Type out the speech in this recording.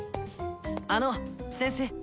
あの先生！